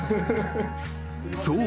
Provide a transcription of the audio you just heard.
［そう。